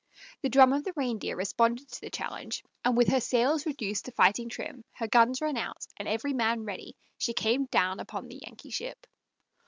The drum of the Reindeer responded to the challenge, and with her sails reduced to fighting trim, her guns run out, and every man ready, she came down upon the Yankee ship.